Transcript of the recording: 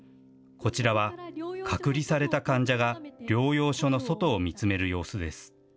こちらは、隔離された患者が療養所の外を見つめる様子です。